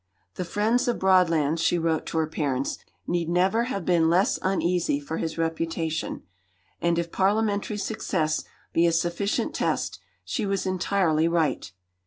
"The friends of Broadlands," she wrote to her parents, "need never have been less uneasy for his reputation"; and if parliamentary success be a sufficient test, she was entirely right.